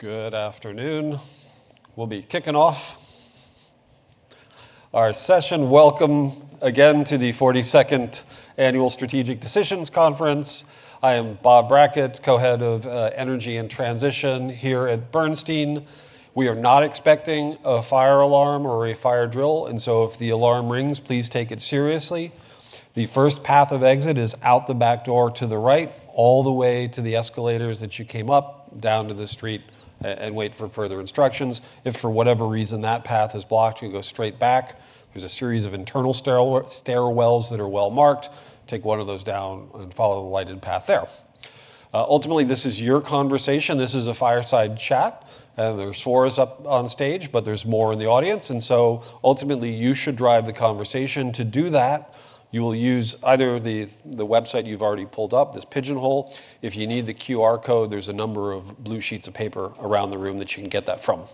Good afternoon. We'll be kicking off our session. Welcome again to the 42nd Annual Strategic Decisions Conference. I am Bob Brackett, co-head of Energy and Transition here at Bernstein. We are not expecting a fire alarm or a fire drill. If the alarm rings, please take it seriously. The first path of exit is out the back door to the right, all the way to the escalators that you came up, down to the street, and wait for further instructions. If for whatever reason that path is blocked, you go straight back. There's a series of internal stairwells that are well-marked. Take one of those down and follow the lighted path there. Ultimately, this is your conversation. This is a fireside chat. There's four of us up on stage, but there's more in the audience. Ultimately, you should drive the conversation. To do that, you will use either the website you've already pulled up, this Pigeonhole. If you need the QR code, there's a number of blue sheets of paper around the room that you can get that from.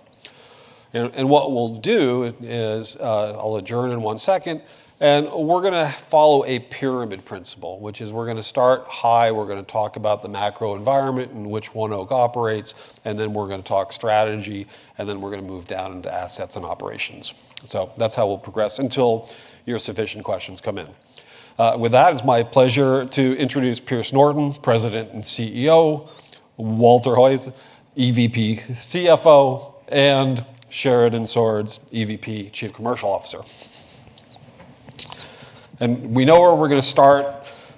What we'll do is, I'll adjourn in one second. We're going to follow a pyramid principle, which is we're going to start high, we're going to talk about the macro environment in which ONEOK operates, then we're going to talk strategy, then we're going to move down into assets and operations. That's how we'll progress until your sufficient questions come in. With that, it's my pleasure to introduce Pierce Norton, President and CEO, Walter Hulse, EVP CFO, and Sheridan Swords, EVP Chief Commercial Officer. We know where we're going to start.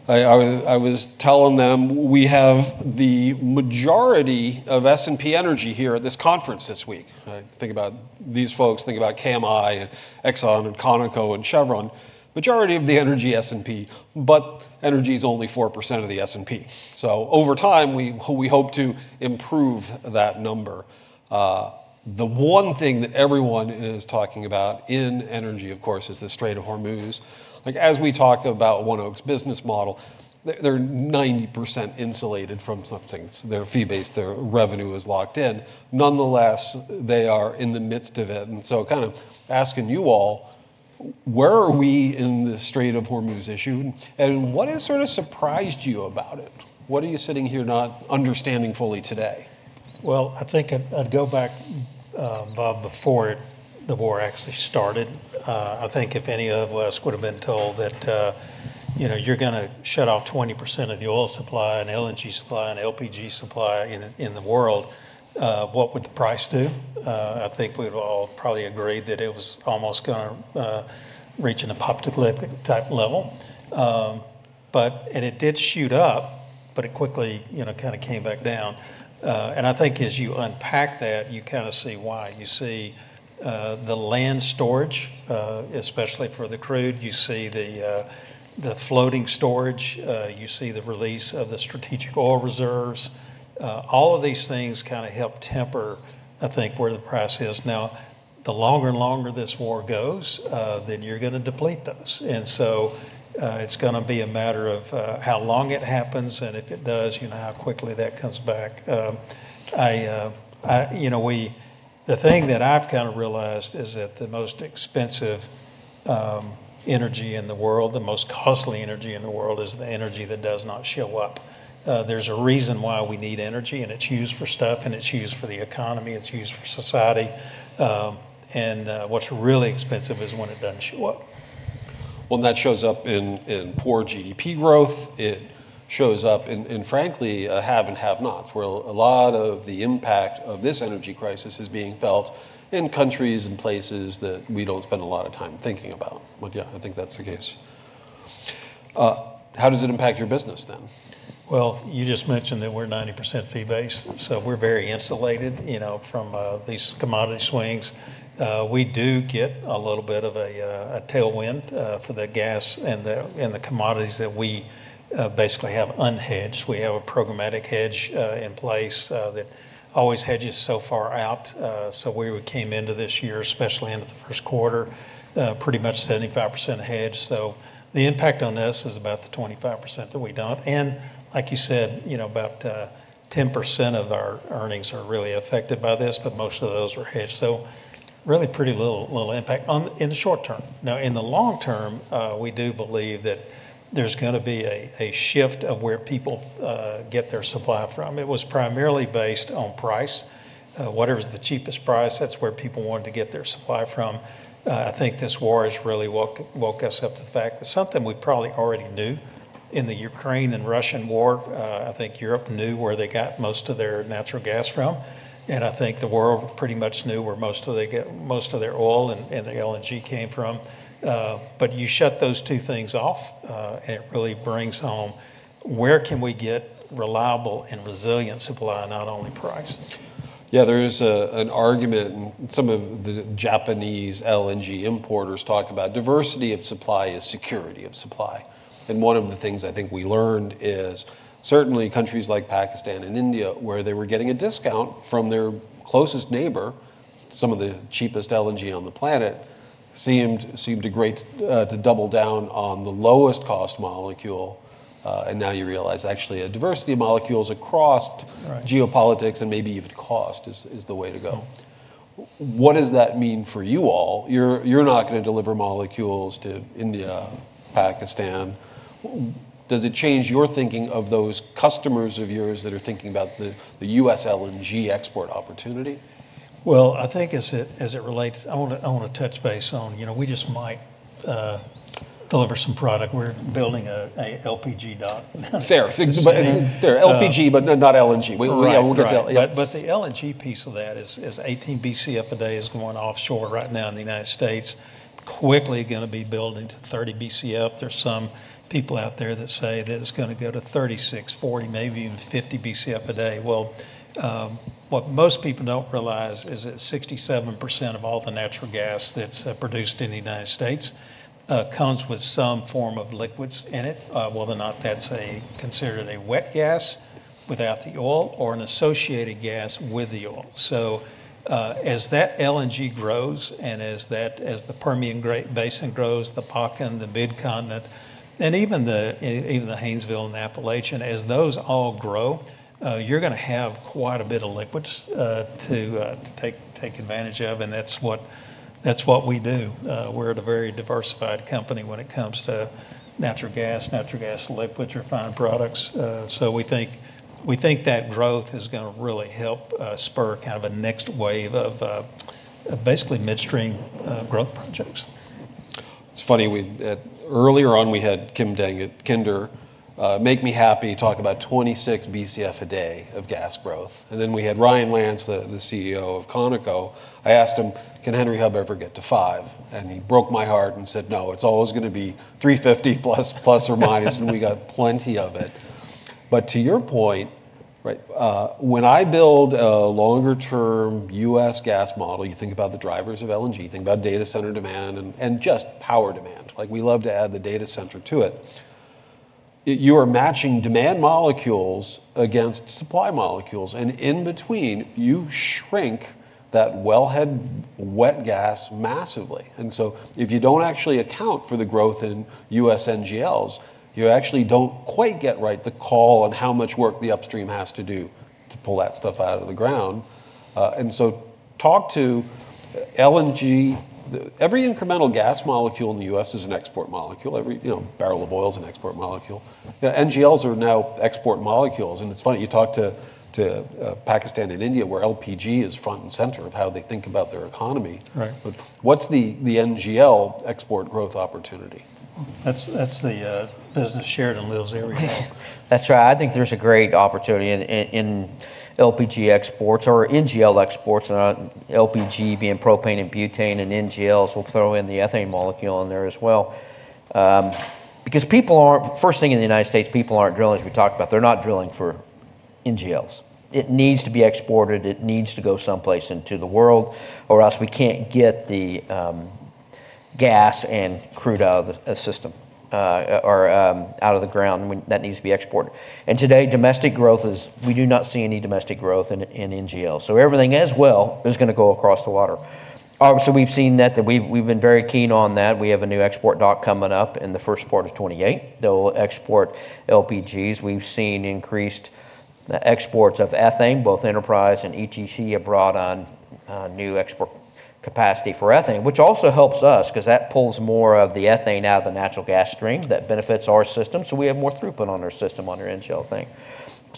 I was telling them we have the majority of S&P Energy here at this conference this week. Think about these folks, think about KMI, Exxon and Conoco and Chevron. Majority of the Energy S&P, Energy's only 4% of the S&P. Over time, we hope to improve that number. The one thing that everyone is talking about in Energy, of course, is the Strait of Hormuz. As we talk about ONEOK's business model, they're 90% insulated from some things. They're fee-based. Their revenue is locked in. Nonetheless, they are in the midst of it. Kind of asking you all, where are we in the Strait of Hormuz issue, and what has sort of surprised you about it? What are you sitting here not understanding fully today? Well, I think I'd go back, Bob, before the war actually started. I think if any of us would've been told that you're going to shut off 20% of the oil supply and LNG supply and LPG supply in the world, what would the price do? I think we'd all probably agree that it was almost going to reach an apocalyptic-type level. It did shoot up, it quickly kind of came back down. I think as you unpack that, you kind of see why. You see the land storage, especially for the crude. You see the floating storage. You see the release of the Strategic Petroleum Reserve. All of these things kind of help temper, I think, where the price is. Now, the longer and longer this war goes, you're going to deplete those. It's going to be a matter of how long it happens, and if it does, how quickly that comes back. The thing that I've kind of realized is that the most expensive energy in the world, the most costly energy in the world is the energy that does not show up. There's a reason why we need energy, and it's used for stuff, and it's used for the economy. It's used for society. What's really expensive is when it doesn't show up. Well, that shows up in poor GDP growth. It shows up in, frankly, have and have-nots, where a lot of the impact of this energy crisis is being felt in countries and places that we don't spend a lot of time thinking about. Yeah, I think that's the case. How does it impact your business, then? Well, you just mentioned that we're 90% fee-based, so we're very insulated from these commodity swings. We do get a little bit of a tailwind for the gas and the commodities that we basically have unhedged. We have a programmatic hedge in place that always hedges so far out. We came into this year, especially into the first quarter, pretty much 75% hedged. The impact on this is about the 25% that we don't. Like you said, about 10% of our earnings are really affected by this, but most of those were hedged. Really pretty little impact in the short term. Now, in the long term, we do believe that there's going to be a shift of where people get their supply from. It was primarily based on price. Whatever's the cheapest price, that's where people wanted to get their supply from. I think this war has really woke us up to the fact that something we probably already knew in the Ukraine and Russian War. I think Europe knew where they got most of their natural gas from, and I think the world pretty much knew where most of their oil and their LNG came from. You shut those two things off, and it really brings home where can we get reliable and resilient supply, not only price. Yeah, there is an argument, some of the Japanese LNG importers talk about diversity of supply is security of supply. One of the things I think we learned is certainly countries like Pakistan and India, where they were getting a discount from their closest neighbor, some of the cheapest LNG on the planet, seemed a great to double down on the lowest cost molecule. Now you realize actually a diversity of molecules. Right Geopolitics and maybe even cost is the way to go. What does that mean for you all? You're not going to deliver molecules to India, Pakistan. Does it change your thinking of those customers of yours that are thinking about the U.S. LNG export opportunity? Well, I think as it relates, I want to touch base on, we just might deliver some product. We're building a LPG dock. Fair. LPG, but not LNG. Right. Yeah, we'll get to that. Yeah. The LNG piece of that is 18 Bcf a day is going offshore right now in the U.S., quickly going to be building to 30 Bcf. There's some people out there that say that it's going to go to 36, 40, maybe even 50 Bcf a day. What most people don't realize is that 67% of all the natural gas that's produced in the U.S. comes with some form of liquids in it, whether or not that's considered a wet gas without the oil, or an associated gas with the oil. As that LNG grows, and as the Permian Basin grows, the Bakken, the Mid-Continent, and even the Haynesville and Appalachian, as those all grow, you're going to have quite a bit of liquids to take advantage of, and that's what we do. We're at a very diversified company when it comes to natural gas, natural gas liquids, refined products. We think that growth is going to really help spur a next wave of basically midstream growth projects. It's funny, earlier on, we had Kim Dang at Kinder, make me happy, talk about 26 Bcf a day of gas growth. We had Ryan Lance, the CEO of Conoco. I asked him, "Can Henry Hub ever get to $5?" He broke my heart and said, "No, it's always going to be $350±, and we got plenty of it." To your point- Right I build a longer-term U.S. gas model, you think about the drivers of LNG, think about data center demand, and just power demand. We love to add the data center to it. You are matching demand molecules against supply molecules, in between, you shrink that wellhead wet gas massively. If you don't actually account for the growth in U.S. NGLs, you actually don't quite get right the call on how much work the upstream has to do to pull that stuff out of the ground. Talk to LNG. Every incremental gas molecule in the U.S. is an export molecule. Every barrel of oil is an export molecule. NGLs are now export molecules, it's funny, you talk to Pakistan and India, where LPG is front and center of how they think about their economy. Right. What's the NGL export growth opportunity? That's the business Sheridan lives every day. That's right. I think there's a great opportunity in LPG exports or NGL exports, LPG being propane and butane, and NGLs, we'll throw in the ethane molecule in there as well. First thing in the United States, people aren't drilling, as we talked about. They're not drilling for NGLs. It needs to be exported. It needs to go someplace into the world or else we can't get the gas and crude out of the system, or out of the ground, and that needs to be exported. Today, we do not see any domestic growth in NGLs. Everything as well is going to go across the water. Obviously, we've seen that. We've been very keen on that. We have a new export dock coming up in the first quarter of 2028 that will export LPGs. We've seen increased exports of ethane, both Enterprise Products and Energy Transfer have brought on new export capacity for ethane, which also helps us because that pulls more of the ethane out of the natural gas stream that benefits our system, so we have more throughput on our system on our NGL thing.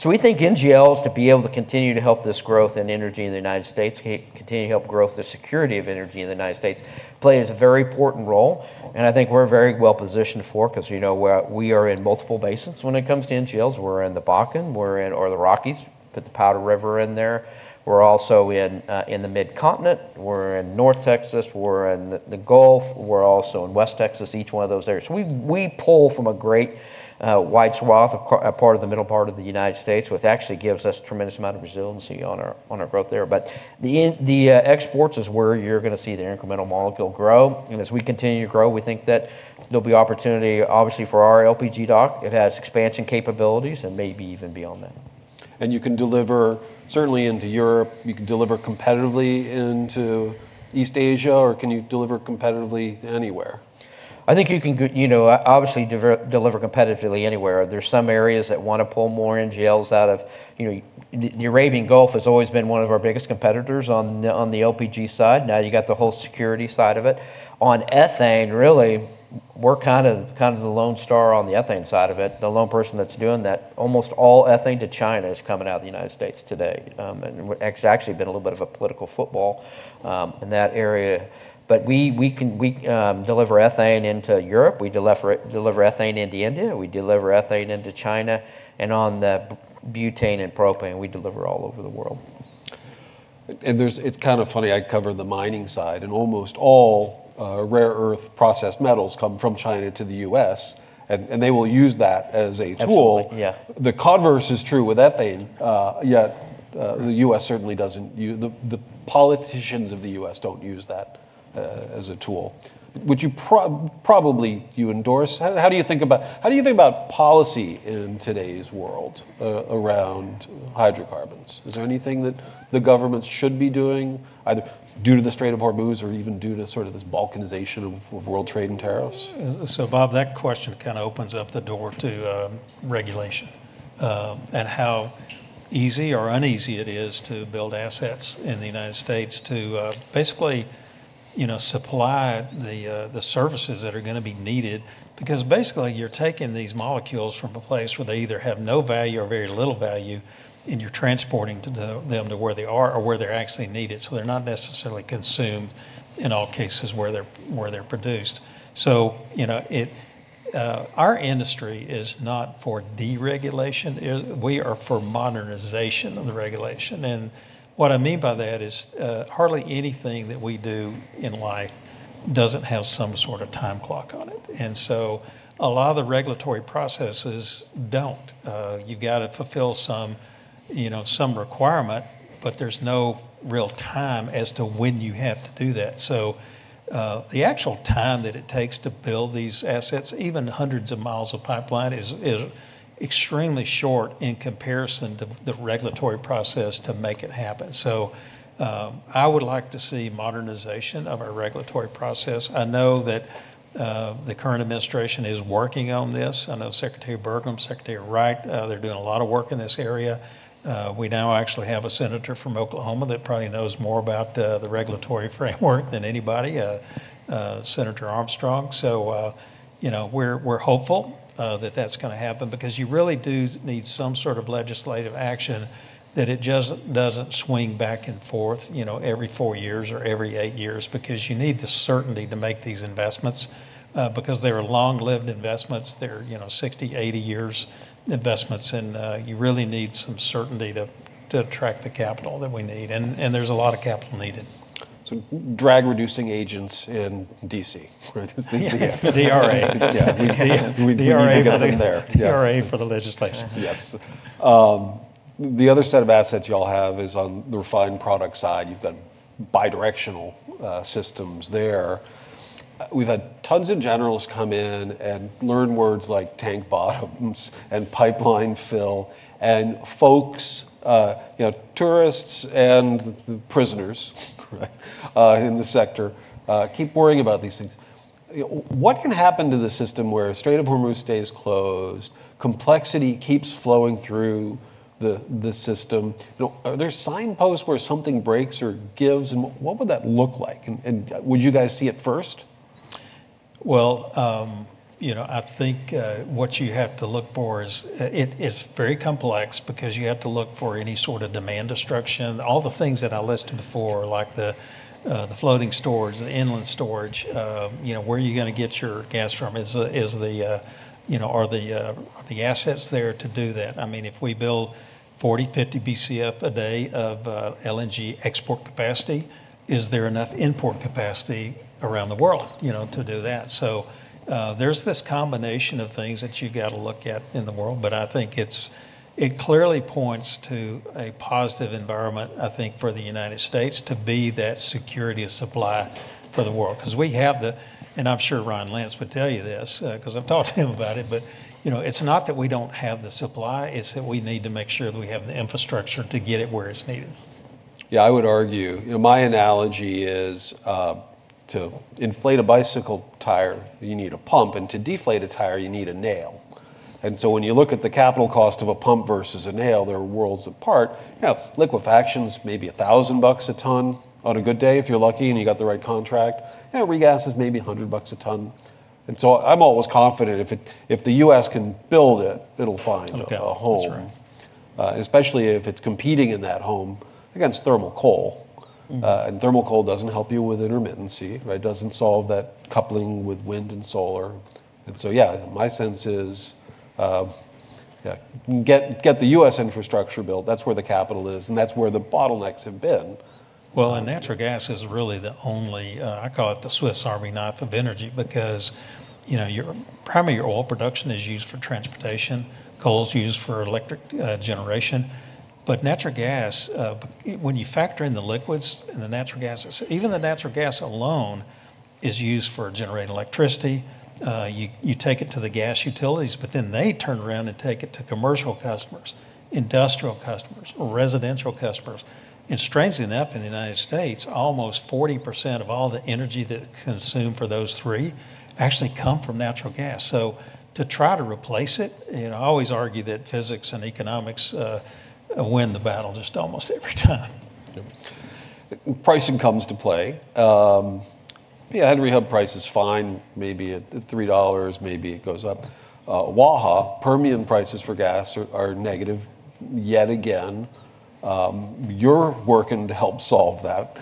We think NGLs to be able to continue to help this growth in energy in the United States, continue to help growth the security of energy in the United States, plays a very important role, and I think we're very well positioned for it because we are in multiple basins when it comes to NGLs. We're in the Bakken, or the Rockies. Put the Powder River in there. We're also in the Mid-Continent. We're in North Texas. We're in the Gulf. We're also in West Texas, each one of those areas. We pull from a great wide swath of part of the middle part of the United States, which actually gives us tremendous amount of resiliency on our growth there. The exports is where you're going to see the incremental molecule grow, and as we continue to grow, we think that there'll be opportunity, obviously, for our LPG dock. It has expansion capabilities and maybe even beyond that. You can deliver certainly into Europe. You can deliver competitively into East Asia, or can you deliver competitively anywhere? I think you can obviously deliver competitively anywhere. There's some areas that want to pull more NGLs out of The Arabian Gulf has always been one of our biggest competitors on the LPG side. You got the whole security side of it. On ethane, really, we're kind of the lone star on the ethane side of it, the lone person that's doing that. Almost all ethane to China is coming out of the United States today. It's actually been a little bit of a political football in that area. We deliver ethane into Europe. We deliver ethane into India. We deliver ethane into China. On the butane and propane, we deliver all over the world. It's kind of funny. I cover the mining side, and almost all rare earth processed metals come from China to the U.S., they will use that as a tool. Absolutely. Yeah. The converse is true with ethane. The politicians of the U.S. don't use that as a tool. Would you probably endorse? How do you think about policy in today's world around hydrocarbons? Is there anything that the government should be doing, either due to the Strait of Hormuz or even due to this balkanization of world trade and tariffs? Bob, that question kind of opens up the door to regulation. How easy or uneasy it is to build assets in the United States to basically supply the services that are going to be needed. Because basically, you're taking these molecules from a place where they either have no value or very little value, and you're transporting them to where they are or where they're actually needed. They're not necessarily consumed in all cases where they're produced. Our industry is not for deregulation. We are for modernization of the regulation. What I mean by that is hardly anything that we do in life doesn't have some sort of time clock on it. A lot of the regulatory processes don't. You've got to fulfill some requirement, but there's no real time as to when you have to do that. The actual time that it takes to build these assets, even hundreds of miles of pipeline, is extremely short in comparison to the regulatory process to make it happen. I would like to see modernization of our regulatory process. I know that the current administration is working on this. I know Doug Burgum, Chris Wright, they're doing a lot of work in this area. We now actually have a senator from Oklahoma that probably knows more about the regulatory framework than anybody, Senator Armstrong. We're hopeful that that's going to happen because you really do need some sort of legislative action that it just doesn't swing back and forth every four years or every eight years because you need the certainty to make these investments, because they're long-lived investments. They're 60, 80 years investments, and you really need some certainty to attract the capital that we need. There's a lot of capital needed. Drag reducing agents in D.C., right? Yeah. DRA. Yeah. We need to get them there. Yeah. DRA for the legislation. Yes. The other set of assets you all have is on the refined product side. You've got bi-directional systems there. We've had tons of generals come in and learn words like tank bottoms and pipeline fill, and folks, tourists and prisoners in the sector keep worrying about these things. What can happen to the system where Strait of Hormuz stays closed, complexity keeps flowing through the system? Are there signposts where something breaks or gives, and what would that look like? Would you guys see it first? Well, I think what you have to look for is very complex because you have to look for any sort of demand destruction. All the things that I listed before, like the floating storage, the inland storage, where are you going to get your gas from? Are the assets there to do that? If we build 40, 50 Bcf a day of LNG export capacity, is there enough import capacity around the world to do that? There's this combination of things that you got to look at in the world, but I think it clearly points to a positive environment, I think, for the United States to be that security of supply for the world. I'm sure Ryan Lance would tell you this because I've talked to him about it's not that we don't have the supply, it's that we need to make sure that we have the infrastructure to get it where it's needed. I would argue, my analogy is to inflate a bicycle tire, you need a pump, and to deflate a tire, you need a nail. When you look at the capital cost of a pump versus a nail, they're worlds apart. Liquefaction's maybe $1,000 a ton on a good day if you're lucky and you got the right contract. Regas's maybe $100 a ton. I'm always confident if the U.S. can build it'll find a home. That's right. Especially if it's competing in that home against thermal coal. Thermal coal doesn't help you with intermittency. It doesn't solve that coupling with wind and solar. Yeah, my sense is get the U.S. infrastructure built. That's where the capital is, and that's where the bottlenecks have been. Natural gas is really the only, I call it the Swiss Army knife of energy because primarily your oil production is used for transportation. Coal's used for electric generation. Natural gas, when you factor in the liquids and the natural gas, even the natural gas alone is used for generating electricity. You take it to the gas utilities, they turn around and take it to commercial customers, industrial customers, residential customers. Strangely enough, in the U.S., almost 40% of all the energy that's consumed for those three actually come from natural gas. To try to replace it, I always argue that physics and economics win the battle just almost every time. Yep. Pricing comes to play. Yeah, Henry Hub price is fine, maybe at $3, maybe it goes up. Waha, Permian prices for gas are negative yet again. You're working to help solve that.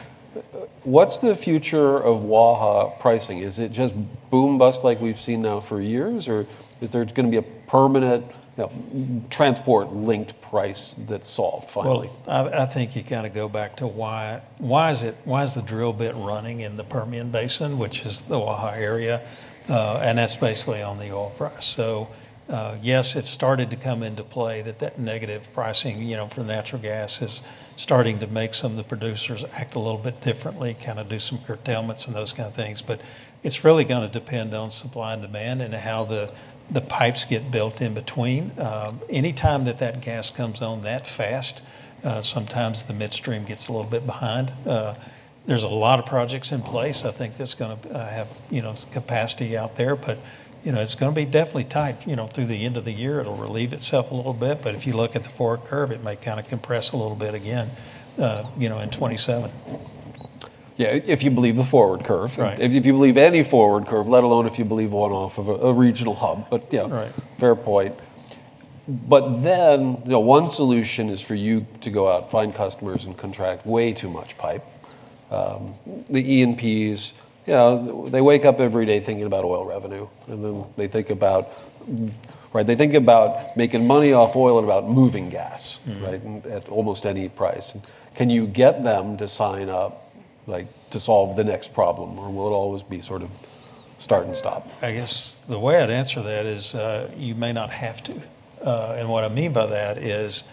What's the future of Waha pricing? Is it just boom bust like we've seen now for years, or is there going to be a permanent transport linked price that's solved finally? I think you got to go back to why is the drill bit running in the Permian Basin, which is the Waha area, and that's basically on the oil price. Yes, it's started to come into play that negative pricing for natural gas is starting to make some of the producers act a little bit differently, do some curtailments and those kind of things. It's really going to depend on supply and demand and how the pipes get built in between. Any time that that gas comes on that fast, sometimes the midstream gets a little bit behind. There's a lot of projects in place. I think that's going to have capacity out there, but it's going to be definitely tight through the end of the year. It'll relieve itself a little bit, but if you look at the forward curve, it may compress a little bit again in 2027. Yeah, if you believe the forward curve. Right. If you believe any forward curve, let alone if you believe one off of a regional hub. Yeah. Right. Fair point. One solution is for you to go out, find customers, and contract way too much pipe. The E&Ps, they wake up every day thinking about oil revenue, and then they think about making money off oil and about moving gas. Right? At almost any price. Can you get them to sign up to solve the next problem, or will it always be sort of start and stop? I guess the way I'd answer that is you may not have to. What I mean by that is,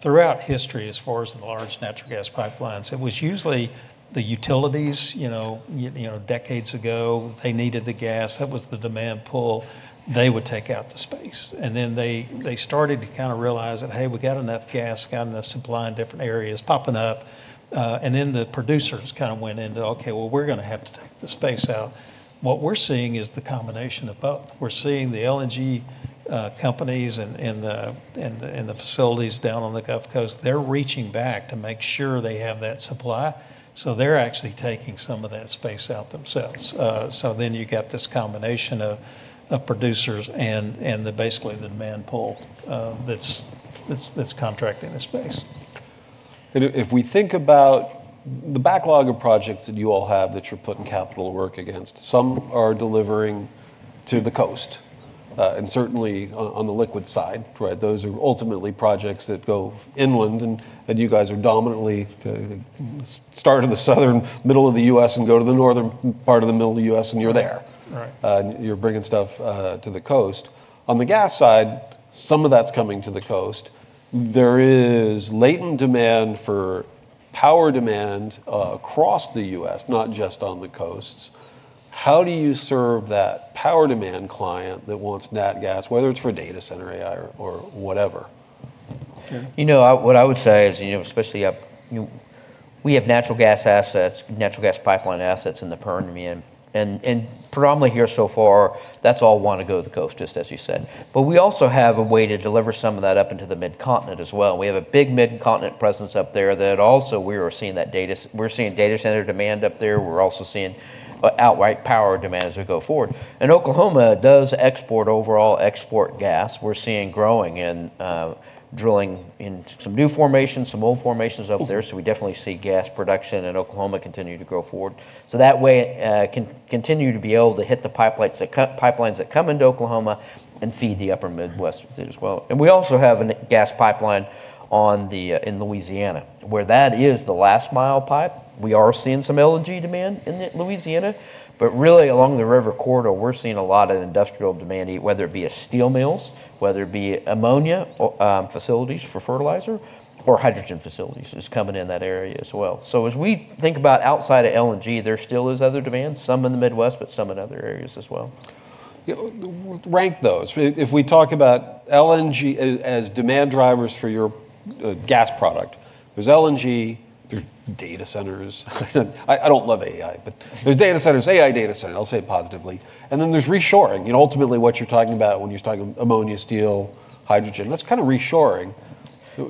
throughout history, as far as the large natural gas pipelines, it was usually the utilities, decades ago, they needed the gas. That was the demand pull. They would take out the space. Then they started to kind of realize that, hey, we got enough gas, got enough supply in different areas popping up. Then the producers kind of went into, "Okay, well, we're going to have to take the space out." What we're seeing is the combination of both. We're seeing the LNG companies and the facilities down on the Gulf Coast, they're reaching back to make sure they have that supply. They're actually taking some of that space out themselves. You've got this combination of producers and basically the demand pull that's contracting the space. If we think about the backlog of projects that you all have that you're putting capital work against, some are delivering to the coast. Certainly on the liquid side, those are ultimately projects that go inland, and you guys are dominantly start in the southern middle of the U.S. and go to the northern part of the middle of the U.S., and you're there. Right. You're bringing stuff to the coast. On the gas side, some of that's coming to the coast. There is latent demand for power demand across the U.S., not just on the coasts. How do you serve that power demand client that wants nat gas, whether it's for data center, AI, or whatever? Yeah? What I would say is, especially we have natural gas pipeline assets in the Permian, and predominantly here so far, that's all want to go to the coast, just as you said. We also have a way to deliver some of that up into the Mid-Continent as well. We have a big Mid-Continent presence up there that also we're seeing data center demand up there. We're also seeing outright power demand as we go forward. Oklahoma does export overall export gas. We're seeing growing and drilling in some new formations, some old formations up there. That way, continue to be able to hit the pipelines that come into Oklahoma and feed the upper Midwest as well. We also have a gas pipeline in Louisiana, where that is the last mile pipe. We are seeing some LNG demand in Louisiana. Really along the river corridor, we are seeing a lot of industrial demand, whether it be steel mills, whether it be ammonia facilities for fertilizer, or hydrogen facilities is coming in that area as well. As we think about outside of LNG, there still is other demand, some in the Midwest, but some in other areas as well. Rank those. If we talk about LNG as demand drivers for your gas product, there's LNG, there's data centers. I don't love AI, but there's data centers, AI data centers, I'll say it positively. There's reshoring. Ultimately, what you're talking about when you're talking ammonia, steel, hydrogen, that's kind of reshoring.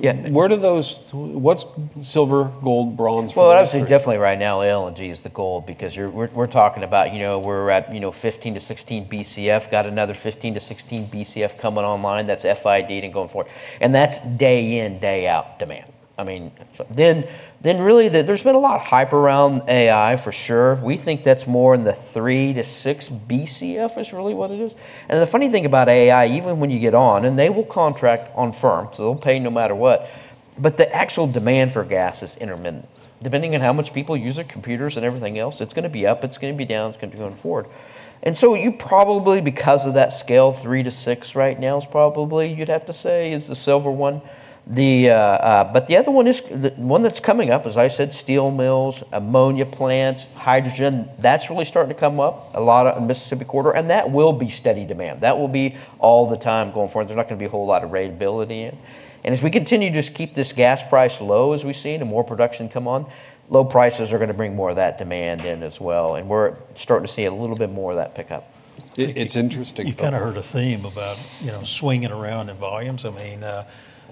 Yeah. What's silver, gold, bronze for those three? Well, I would say definitely right now LNG is the gold because we're talking about we're at 15 Bcf-16 Bcf, got another 15 Bcf-16 Bcf coming online. That's FID and going forward. That's day in, day out demand. Really, there's been a lot of hype around AI for sure. We think that's more in the 3 Bcf-6 Bcf is really what it is. The funny thing about AI, even when you get on, they will contract on firm, they'll pay no matter what, the actual demand for gas is intermittent. Depending on how much people use their computers and everything else, it's going to be up, it's going to be down, it's going to be going forward. You probably, because of that scale, 3 Bcf-6 Bcf right now is probably you'd have to say is the silver one. The other one that's coming up as I said, steel mills, ammonia plants, hydrogen, that's really starting to come up a lot in Mississippi corridor. That will be steady demand. That will be all the time going forward. There's not going to be a whole lot of variability in it. As we continue to just keep this gas price low as we've seen, and more production come on, low prices are going to bring more of that demand in as well, and we're starting to see a little bit more of that pick up. It's interesting. You kind of heard a theme about swinging around in volumes.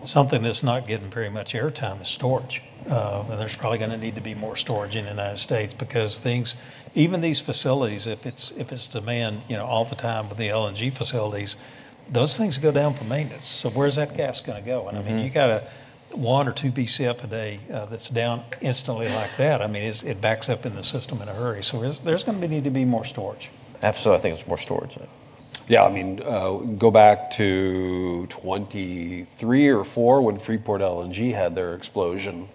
Something that's not getting very much air time is storage. There's probably going to need to be more storage in the U.S. because even these facilities, if it's demand all the time with the LNG facilities, those things go down for maintenance. Where's that gas going to go? You got 1 Bcf or 2 Bcf a day that's down instantly like that. It backs up in the system in a hurry. There's going to need to be more storage. Absolutely, I think it's more storage. Yeah. Go back to 2023 or 2024 when Freeport LNG had their explosion.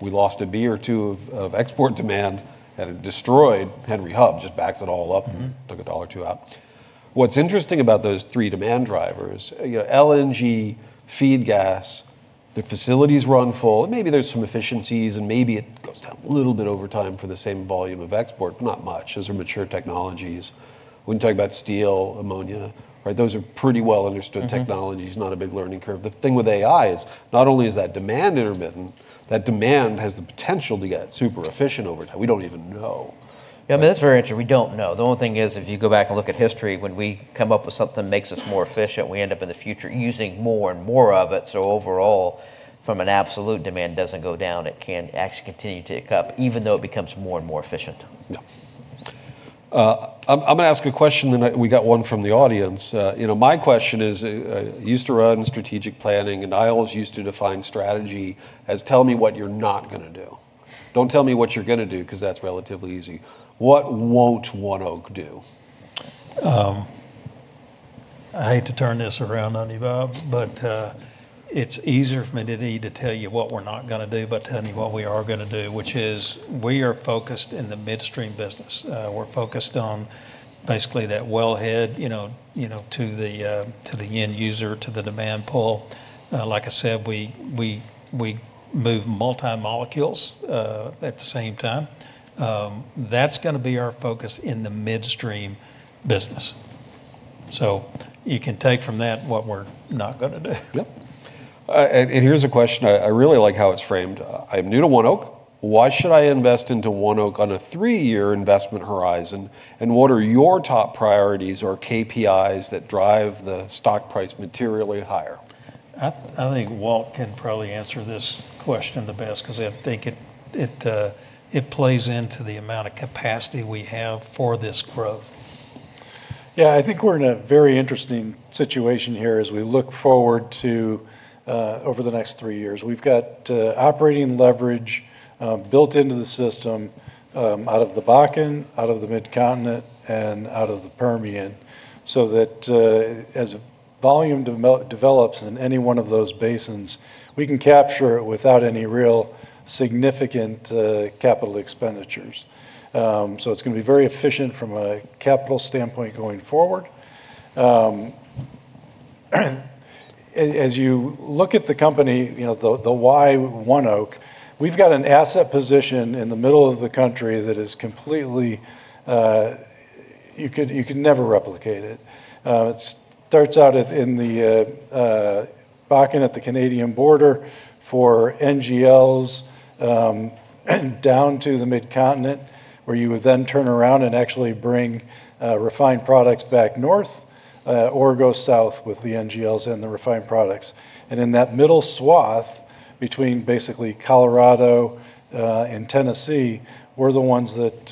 We lost a B or two of export demand. It destroyed Henry Hub, just backed it all up. Took $1 or $2 out. What's interesting about those three demand drivers, LNG, feed gas, the facilities run full, and maybe there's some efficiencies, and maybe it goes down a little bit over time for the same volume of export, but not much. Those are mature technologies. When you talk about steel, ammonia, those are pretty well-understood technologies, not a big learning curve. The thing with AI is not only is that demand intermittent, that demand has the potential to get super efficient over time. We don't even know Yeah, I mean, that's very interesting. We don't know. The only thing is, if you go back and look at history, when we come up with something that makes us more efficient, we end up in the future using more and more of it. Overall, from an absolute, demand doesn't go down. It can actually continue to tick up even though it becomes more and more efficient. Yeah. I'm going to ask a question, then we got one from the audience. My question is, I used to run strategic planning, and I always used to define strategy as tell me what you're not going to do. Don't tell me what you're going to do, because that's relatively easy. What won't ONEOK do? I hate to turn this around on you, Bob, but it's easier for me to tell you what we're not going to do but tell you what we are going to do, which is we are focused in the midstream business. We're focused on basically that well head to the end user, to the demand pull. Like I said, we move multi-molecules at the same time. That's going to be our focus in the midstream business. You can take from that what we're not going to do. Yep. Here's a question. I really like how it's framed. "I'm new to ONEOK. Why should I invest into ONEOK on a three-year investment horizon? What are your top priorities or KPIs that drive the stock price materially higher? I think Walt can probably answer this question the best, because I think it plays into the amount of capacity we have for this growth. I think we're in a very interesting situation here as we look forward to over the next three years. We've got operating leverage built into the system out of the Bakken, out of the Mid-Continent, and out of the Permian, so that as volume develops in any one of those basins, we can capture it without any real significant capital expenditures. It's going to be very efficient from a capital standpoint going forward. As you look at the company, the why ONEOK, we've got an asset position in the middle of the country that you could never replicate it. It starts out in the Bakken at the Canadian border for NGLs down to the Mid-Continent, where you would then turn around and actually bring refined products back north, or go south with the NGLs and the refined products. In that middle swath between basically Colorado and Tennessee, we're the ones that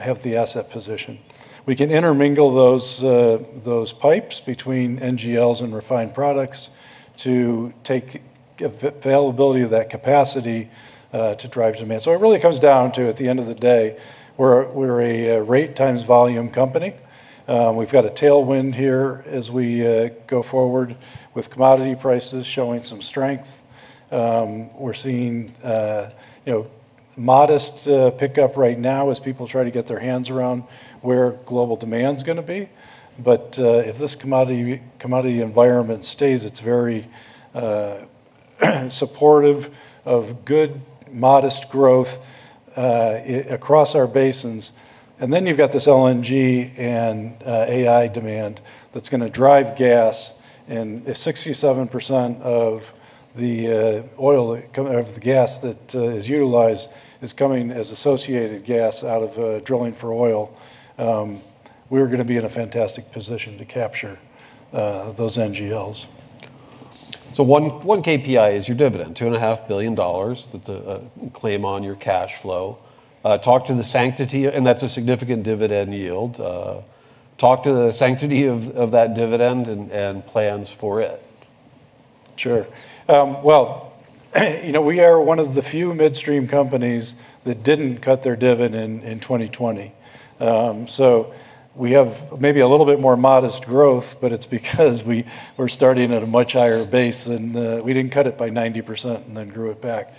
have the asset position. We can intermingle those pipes between NGLs and refined products to take availability of that capacity to drive demand. It really comes down to, at the end of the day, we're a rate times volume company. We've got a tailwind here as we go forward with commodity prices showing some strength. We're seeing modest pickup right now as people try to get their hands around where global demand's going to be. If this commodity environment stays, it's very supportive of good, modest growth across our basins. You've got this LNG and AI demand that's going to drive gas, and if 67% of the gas that is utilized is coming as associated gas out of drilling for oil, we're going to be in a fantastic position to capture those NGLs. One KPI is your dividend, $2.5 billion that's a claim on your cash flow. Talk to the sanctity, and that's a significant dividend yield. Talk to the sanctity of that dividend and plans for it. Sure. Well, we are one of the few midstream companies that didn't cut their dividend in 2020. We have maybe a little bit more modest growth, but it's because we're starting at a much higher base. We didn't cut it by 90% and then grew it back.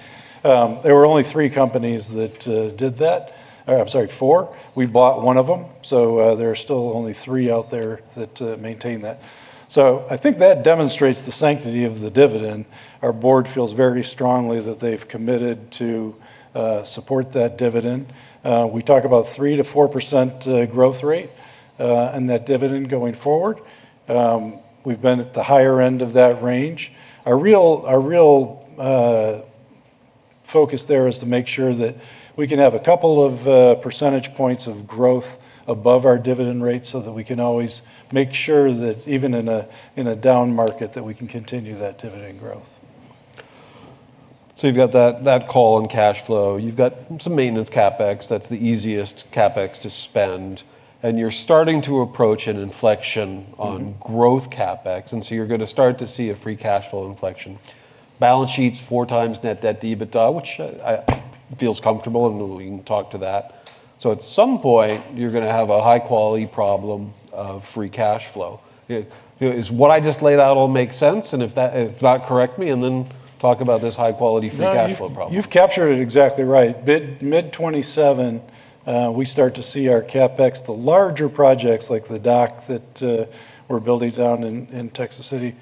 There were only three companies that did that. I'm sorry, four. We bought one of them, so there are still only three out there that maintain that. I think that demonstrates the sanctity of the dividend. Our board feels very strongly that they've committed to support that dividend. We talk about 3%-4% growth rate in that dividend going forward. We've been at the higher end of that range. Our real focus there is to make sure that we can have a couple of percentage points of growth above our dividend rate so that we can always make sure that even in a down market, that we can continue that dividend growth. You've got that call on cash flow. You've got some maintenance CapEx, that's the easiest CapEx to spend, you're starting to approach an inflection on growth CapEx, you're going to start to see a free cash flow inflection. Balance sheet's four times net debt to EBITDA, which feels comfortable, and we can talk to that. At some point, you're going to have a high-quality problem of free cash flow. Is what I just laid out all make sense? If not, correct me and then talk about this high-quality free cash flow problem. No, you've captured it exactly right. Mid 2027, we start to see our CapEx, the larger projects like the dock that we're building down in Texas City,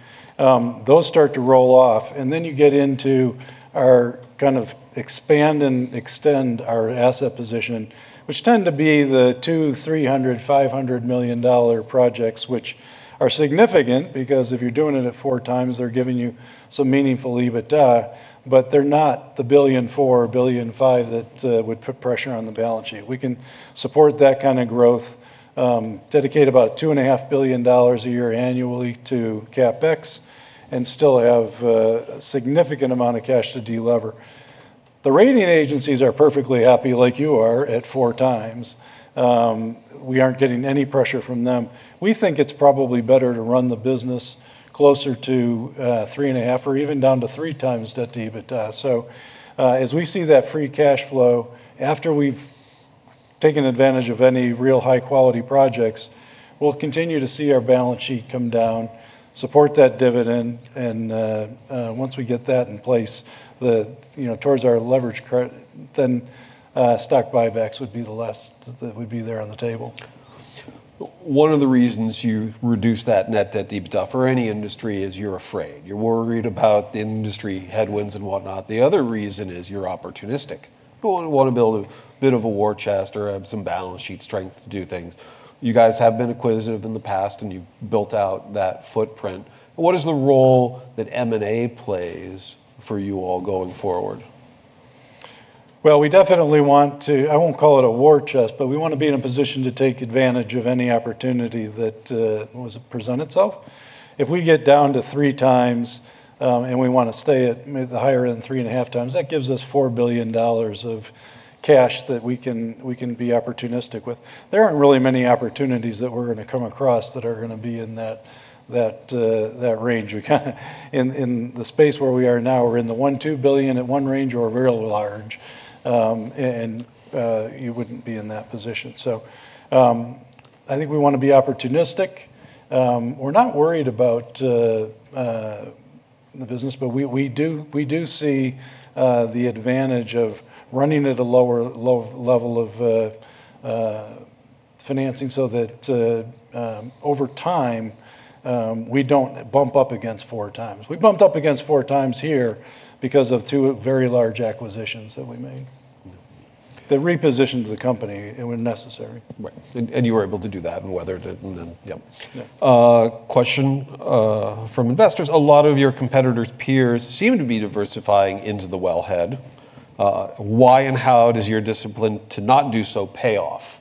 those start to roll off. You get into our kind of expand and extend our asset position, which tend to be the $200 million, $300 million, $500 million projects, which are significant because if you're doing it at four times, they're giving you some meaningful EBITDA. They're not the $1.4 billion, $1.5 billion that would put pressure on the balance sheet. We can support that kind of growth, dedicate about $2.5 billion a year annually to CapEx, and still have a significant amount of cash to delever. The rating agencies are perfectly happy like you are at four times. We aren't getting any pressure from them. We think it's probably better to run the business closer to 3.5 or even down to three times debt to EBITDA. As we see that free cash flow, after we've taken advantage of any real high-quality projects, we'll continue to see our balance sheet come down, support that dividend, and once we get that in place, towards our leverage, then stock buybacks would be the last that would be there on the table. One of the reasons you reduce that net debt to EBITDA for any industry is you're afraid. You're worried about the industry headwinds and whatnot. The other reason is you're opportunistic. You want to build a bit of a war chest or have some balance sheet strength to do things. You guys have been acquisitive in the past, and you've built out that footprint. What is the role that M&A plays for you all going forward? Well, we definitely want to, I won't call it a war chest, but we want to be in a position to take advantage of any opportunity that was to present itself. If we get down to three times, and we want to stay at the higher end of 3.5 times, that gives us $4 billion of cash that we can be opportunistic with. There aren't really many opportunities that we're going to come across that are going to be in that range. We kind of in the space where we are now, we're in the $1 billion, $2 billion at one range or we're very large. You wouldn't be in that position. I think we want to be opportunistic. We're not worried about the business, but we do see the advantage of running at a lower level of financing so that over time, we don't bump up against four times. We bumped up against four times here because of two very large acquisitions that we made. Yeah. That repositioned the company, and were necessary. Right. You were able to do that and weather it, and then, yep. Yeah. Question from investors. A lot of your competitors, peers seem to be diversifying into the wellhead. Why and how does your discipline to not do so pay off?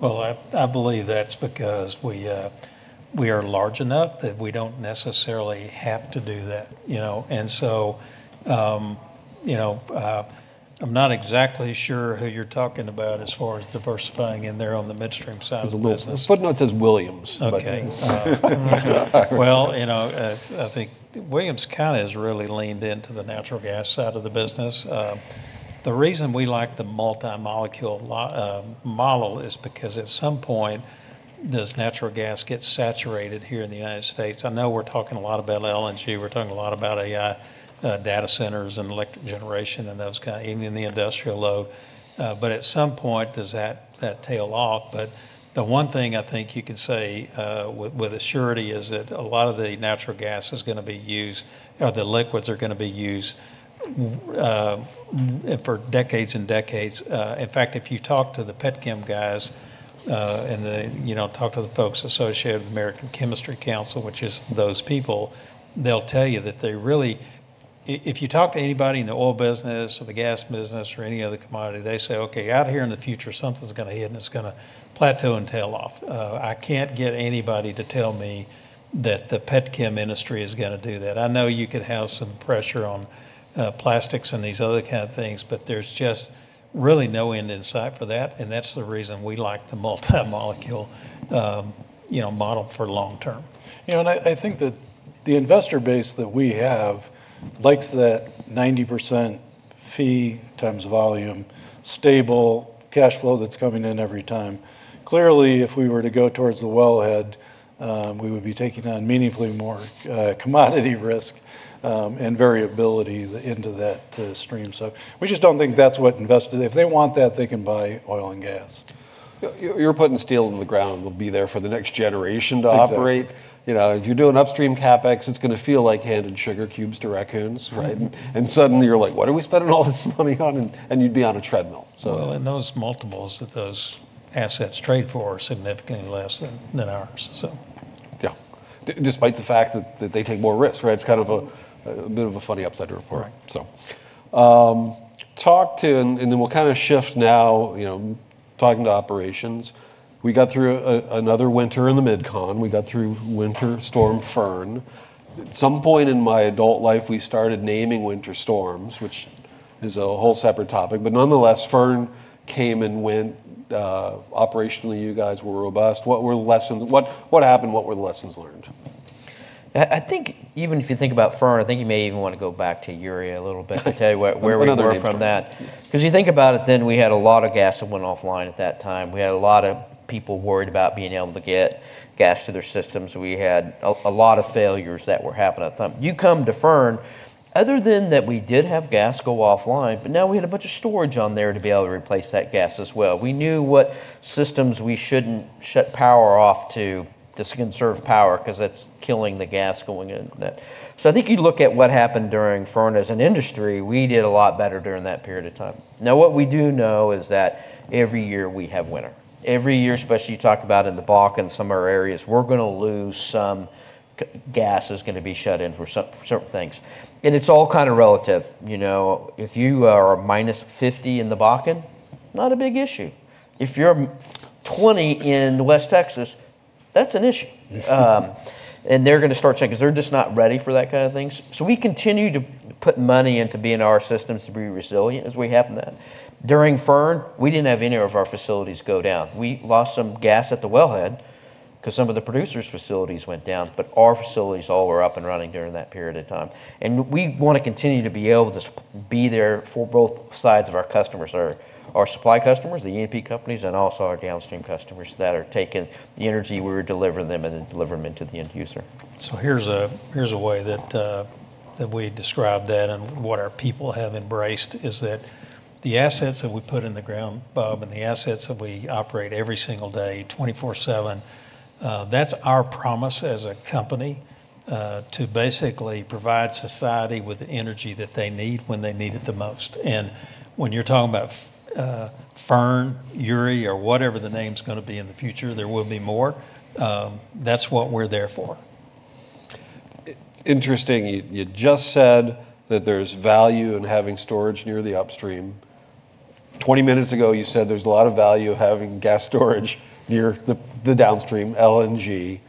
Well, I believe that's because we are large enough that we don't necessarily have to do that. I'm not exactly sure who you're talking about as far as diversifying in there on the midstream side of the business. There's a little, the footnote says Williams, but. Okay. Well, I think Williams kind of has really leaned into the natural gas side of the business. The reason we like the multi-molecule model is because at some point, does natural gas get saturated here in the U.S.? I know we're talking a lot about LNG, we're talking a lot about data centers and electric generation and those kind of, even in the industrial load. At some point, does that tail off? The one thing I think you can say with surety is that a lot of the natural gas is going to be used, or the liquids are going to be used for decades and decades. In fact, if you talk to the petchem guys, and talk to the folks associated with American Chemistry Council, which is those people. If you talk to anybody in the oil business or the gas business or any other commodity, they say, "Okay, out here in the future, something's going to hit, and it's going to plateau and tail off." I can't get anybody to tell me that the petchem industry is going to do that. I know you could have some pressure on plastics and these other kind of things, but there's just really no end in sight for that, and that's the reason we like the multi molecule model for long term. I think that the investor base that we have likes that 90% fee times volume, stable cash flow that's coming in every time. Clearly, if we were to go towards the wellhead, we would be taking on meaningfully more commodity risk and variability into that stream. We just don't think that's what investors want. If they want that, they can buy oil and gas. You're putting steel into the ground that will be there for the next generation to operate. Exactly. If you're doing upstream CapEx, it's going to feel like handing sugar cubes to raccoons, right? Suddenly you're like, "What are we spending all this money on?" You'd be on a treadmill. Well, those multiples that those assets trade for are significantly less than ours. Yeah. Despite the fact that they take more risks, right? It's kind of a bit of a funny upside to report. Correct. We'll kind of shift now, talking to operations. We got through another winter in the MidCon. We got through Winter Storm Fern. At some point in my adult life, we started naming winter storms, which is a whole separate topic. Nonetheless, Fern came and went. Operationally, you guys were robust. What happened? What were the lessons learned? I think even if you think about Fern, I think you may even want to go back to Uri a little bit to tell you where we were from that. You think about it then, we had a lot of gas that went offline at that time. We had a lot of people worried about being able to get gas to their systems. We had a lot of failures that were happening at the time. You come to Fern, other than that we did have gas go offline, but now we had a bunch of storage on there to be able to replace that gas as well. We knew what systems we shouldn't shut power off to conserve power, because that's killing the gas going in that. I think you look at what happened during Fern as an industry, we did a lot better during that period of time. Now, what we do know is that every year we have winter. Every year, especially you talk about in the Bakken, some of our areas, we're going to lose some, gas is going to be shut in for several things. It's all kind of relative. If you are -50 in the Bakken, not a big issue. If you're 20 in West Texas, that's an issue. They're going to start saying, because they're just not ready for that kind of thing. We continue to put money into BNR systems to be resilient as we have them. During Fern, we didn't have any of our facilities go down. We lost some gas at the wellhead because some of the producers' facilities went down. Our facilities all were up and running during that period of time. We want to continue to be able to be there for both sides of our customers, our supply customers, the E&P companies, and also our downstream customers that are taking the energy we're delivering them and then delivering it to the end user. Here's a way that we describe that and what our people have embraced is that the assets that we put in the ground, Bob, and the assets that we operate every single day, 24/7, that's our promise as a company to basically provide society with the energy that they need when they need it the most. When you're talking about Fern, Uri, or whatever the name's going to be in the future, there will be more. That's what we're there for. Interesting. You just said that there's value in having storage near the upstream. 20 minutes ago, you said there's a lot of value having gas storage near the downstream, LNG.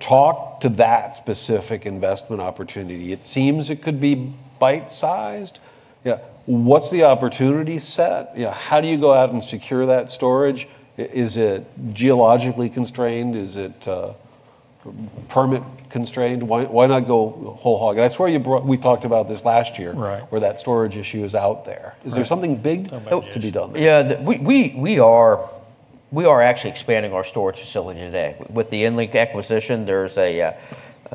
Talk to that specific investment opportunity. It seems it could be bite-sized. Yeah. What's the opportunity set? How do you go out and secure that storage? Is it geologically constrained? Is it permit constrained? Why not go whole hog? I swear we talked about this last year. Right. Where that storage issue is out there. Right. Is there something big to be done there? We are actually expanding our storage facility today. With the EnLink acquisition, there's a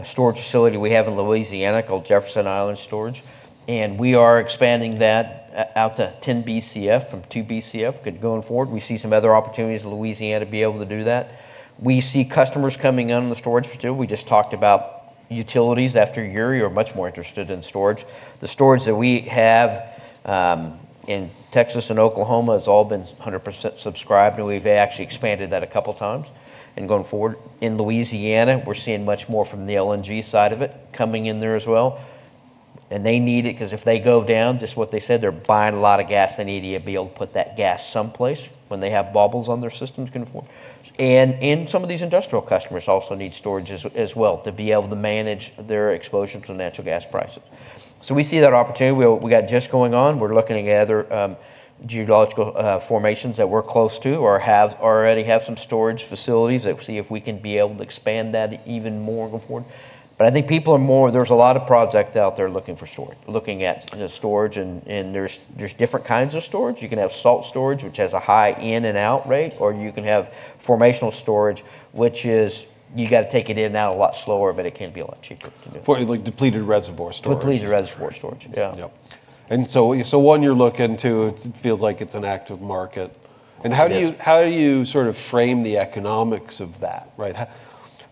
storage facility we have in Louisiana called Jefferson Island Storage, and we are expanding that out to 10 Bcf from 2 Bcf going forward. We see some other opportunities in Louisiana to be able to do that. We see customers coming in on the storage too. We just talked about utilities after Uri are much more interested in storage. The storage that we have in Texas and Oklahoma has all been 100% subscribed, and we've actually expanded that a couple of times. Going forward in Louisiana, we're seeing much more from the LNG side of it coming in there as well. They need it because if they go down, just what they said, they're buying a lot of gas. They need to be able to put that gas someplace when they have bubbles on their systems going forward. Some of these industrial customers also need storage as well to be able to manage their exposure to natural gas prices. We see that opportunity. We've got just going on. We're looking at other geological formations that we're close to or already have some storage facilities that we see if we can be able to expand that even more going forward. I think people are more, there's a lot of projects out there looking at storage, and there's different kinds of storage. You can have salt storage, which has a high in and out rate, or you can have formational storage, which is you got to take it in and out a lot slower, but it can be a lot cheaper to do. For like depleted reservoir storage. Depleted reservoir storage. Yeah. Yep. When you look into it, it feels like it's an active market. It is. How do you sort of frame the economics of that? Right.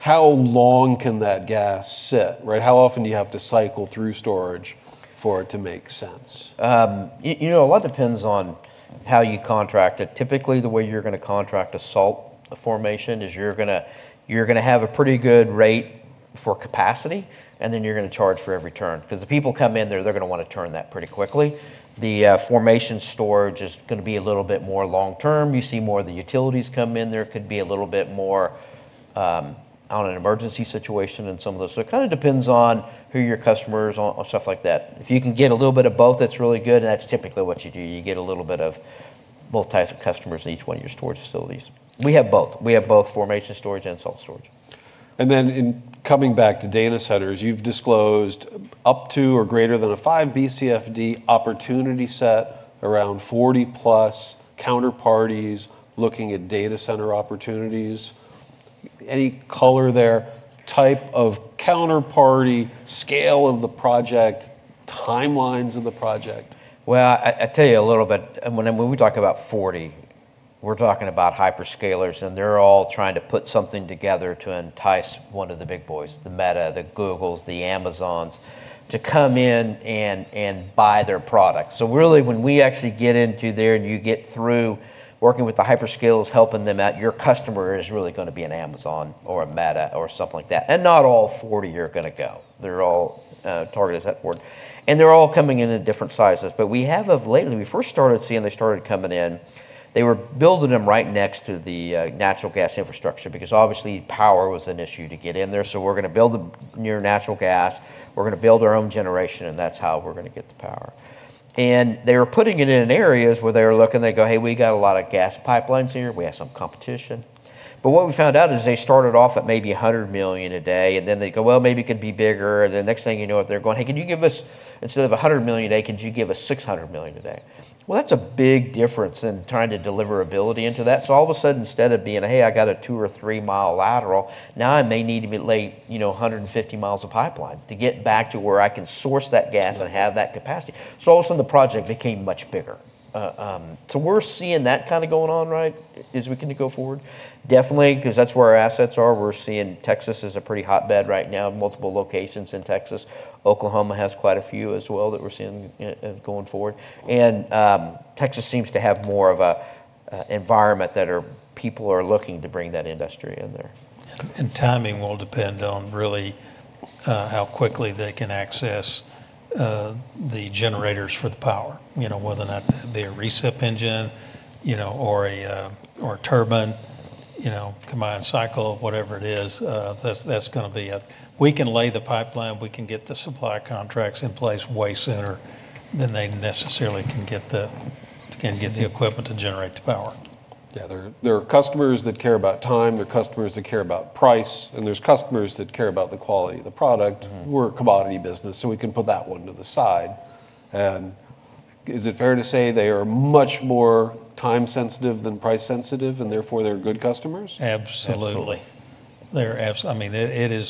How long can that gas sit? Right. How often do you have to cycle through storage for it to make sense? A lot depends on how you contract it. Typically, the way you're going to contract a salt formation is you're going to have a pretty good rate for capacity, and then you're going to charge for every turn because the people come in there, they're going to want to turn that pretty quickly. The formation storage is going to be a little bit more long term. You see more of the utilities come in there. Could be a little bit more on an emergency situation than some of those. It kind of depends on who your customer is on stuff like that. If you can get a little bit of both, that's really good, and that's typically what you do. You get a little bit of both types of customers in each one of your storage facilities. We have both. We have both formation storage and salt storage. In coming back to data centers, you've disclosed up to or greater than a 5 Bcf/d opportunity set around 40+ counterparties looking at data center opportunities. Any color there, type of counterparty, scale of the project, timelines of the project? Well, I tell you a little bit. When we talk about 40, we're talking about hyperscalers, they're all trying to put something together to entice one of the big boys, the Meta, the Googles, the Amazons, to come in and buy their product. Really, when we actually get into there and you get through working with the hyperscalers, helping them out, your customer is really going to be an Amazon or a Meta or something like that. Not all 40 are going to go. They're all targeted at 40. They're all coming in in different sizes. We have of lately, we first started seeing, they started coming in. They were building them right next to the natural gas infrastructure because obviously power was an issue to get in there. We're going to build them near natural gas. We're going to build our own generation, that's how we're going to get the power. They were putting it in areas where they were looking, they go, "Hey, we got a lot of gas pipelines here. We have some competition." What we found out is they started off at maybe 100 million a day, they go, "Well, maybe it could be bigger." The next thing you know it, they're going, "Hey, can you give us, instead of 100 million a day, could you give us 600 million a day?" That's a big difference in trying to deliver ability into that. All of a sudden, instead of being, "Hey, I got a 2 mi or 3 mi lateral," now I may need to lay 150 mi of pipeline to get back to where I can source that gas and have that capacity. All of a sudden, the project became much bigger. We're seeing that kind of going on right as we go forward. Definitely, because that's where our assets are. We're seeing Texas is a pretty hotbed right now, multiple locations in Texas. Oklahoma has quite a few as well that we're seeing going forward. Texas seems to have more of an environment that people are looking to bring that industry in there. Timing will depend on really how quickly they can access the generators for the power. Whether or not they're a reciprocating engine, or a turbine, combined cycle, whatever it is, that's going to be it. We can lay the pipeline, we can get the supply contracts in place way sooner than they necessarily can get the equipment to generate the power. Yeah. There are customers that care about time, there are customers that care about price, and there's customers that care about the quality of the product. We're a commodity business, so we can put that one to the side. Is it fair to say they are much more time sensitive than price sensitive, and therefore they're good customers? Absolutely. Absolutely. I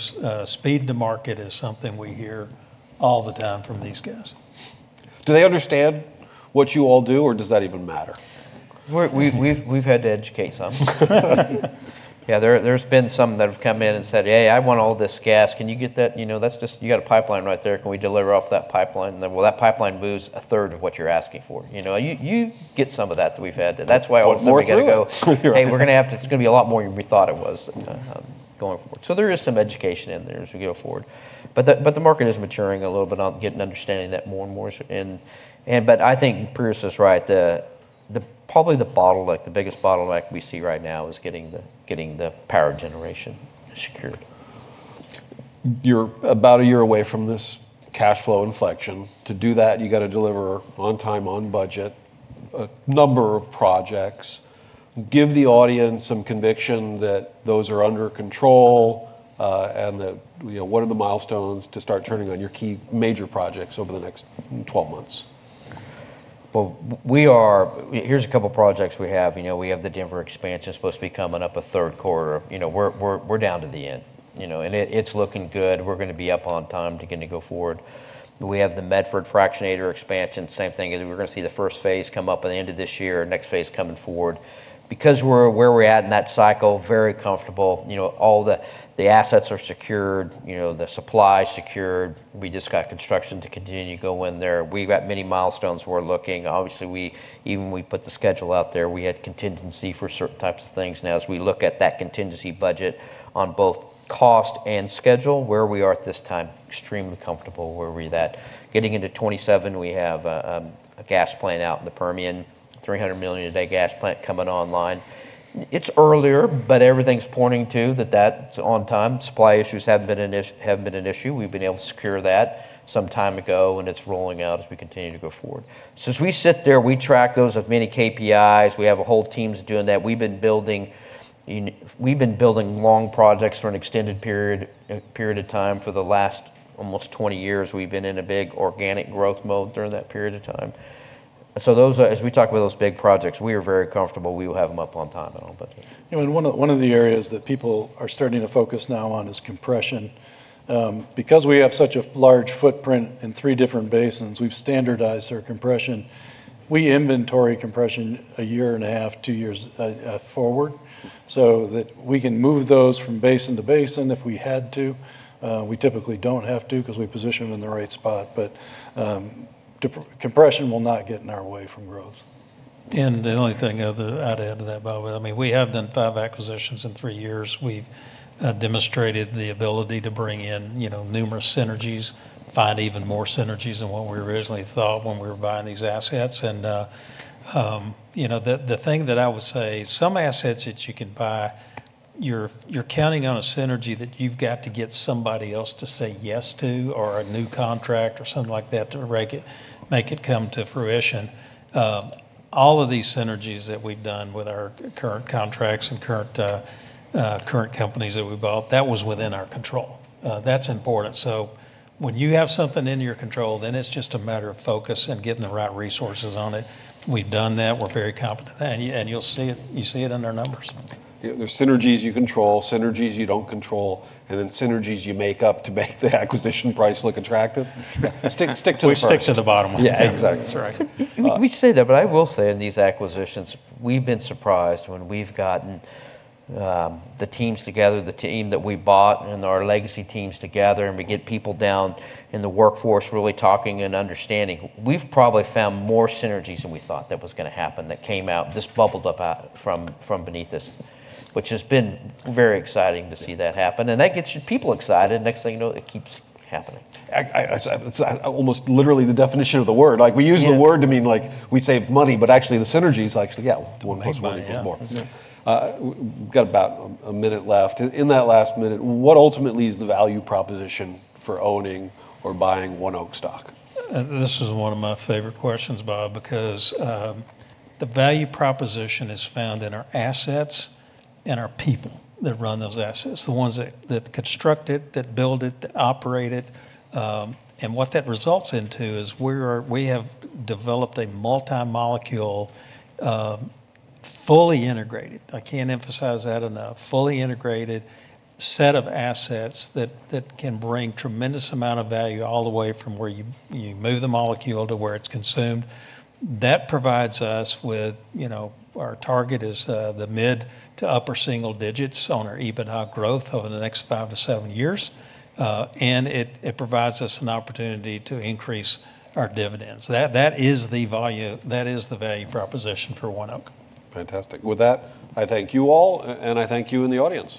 mean, speed to market is something we hear all the time from these guys. Do they understand what you all do, or does that even matter? We've had to educate some. Yeah, there's been some that have come in and said, "Hey, I want all this gas. Can you get that? You got a pipeline right there. Can we deliver off that pipeline?" Well, that pipeline moves a third of what you're asking for. You get some of that we've had. More to it. Hey, it's going to be a lot more than we thought it was going forward." There is some education in there as we go forward. The market is maturing a little bit on getting an understanding of that more and more. I think Pierce Norton is right, probably the biggest bottleneck we see right now is getting the power generation secured. You're about a year away from this cash flow inflection. To do that, you got to deliver on time, on budget, a number of projects. Give the audience some conviction that those are under control, what are the milestones to start turning on your key major projects over the next 12 months? Well, here's a couple projects we have. We have the Denver expansion, supposed to be coming up a third quarter. We're down to the end, and it's looking good. We're going to be up on time to go forward. We have the Medford fractionator expansion, same thing. We're going to see the first phase come up at the end of this year, next phase coming forward. Where we're at in that cycle, very comfortable. All the assets are secured, the supply is secured. We just got construction to continue to go in there. We've got many milestones we're looking. Obviously, even when we put the schedule out there, we had contingency for certain types of things. Now, as we look at that contingency budget on both cost and schedule, where we are at this time, extremely comfortable where we that. Getting into 2027, we have a gas plant out in the Permian, 300 million a day gas plant coming online. It's earlier. Everything's pointing to that that's on time. Supply issues haven't been an issue. We've been able to secure that some time ago. It's rolling out as we continue to go forward. As we sit there, we track those with many KPIs. We have whole teams doing that. We've been building long projects for an extended period of time. For the last almost 20 years, we've been in a big organic growth mode during that period of time. As we talk about those big projects, we are very comfortable we will have them up on time and on budget. One of the areas that people are starting to focus now on is compression. Because we have such a large footprint in three different basins, we've standardized our compression. We inventory compression a year and a half, two years forward, so that we can move those from basin to basin if we had to. We typically don't have to because we position them in the right spot. Compression will not get in our way from growth. The only thing I'd add to that, Bob, we have done five acquisitions in three years. We've demonstrated the ability to bring in numerous synergies, find even more synergies than what we originally thought when we were buying these assets. The thing that I would say, some assets that you can buy, you're counting on a synergy that you've got to get somebody else to say yes to, or a new contract or something like that to make it come to fruition. All of these synergies that we've done with our current contracts and current companies that we bought, that was within our control. That's important. When you have something in your control, then it's just a matter of focus and getting the right resources on it. We've done that. We're very confident in that, and you see it in our numbers. There's synergies you control, synergies you don't control, and then synergies you make up to make the acquisition price look attractive. Stick to the first. We stick to the bottom one. Yeah, exactly. That's right. We say that, but I will say, in these acquisitions, we've been surprised when we've gotten the teams together, the team that we bought and our legacy teams together, and we get people down in the workforce really talking and understanding. We've probably found more synergies than we thought that was going to happen that came out, just bubbled up out from beneath us, which has been very exciting to see that happen, and that gets your people excited, and next thing you know, it keeps happening. It's almost literally the definition of the word. We use the word to mean we saved money, but actually the synergy's actually, yeah, 1 + 1 equals more. Makes money, yeah. We've got about a minute left. In that last minute, what ultimately is the value proposition for owning or buying ONEOK stock? This is one of my favorite questions, Bob, because the value proposition is found in our assets and our people that run those assets, the ones that construct it, that build it, that operate it. And what that results into is we have developed a multi-molecule, fully integrated, I can't emphasize that enough, fully integrated set of assets that can bring tremendous amount of value all the way from where you move the molecule to where it's consumed. That provides us with, our target is the mid to upper single digits on our EBITDA growth over the next five to seven years. And it provides us an opportunity to increase our dividends. That is the value proposition for ONEOK. Fantastic. With that, I thank you all, and I thank you in the audience.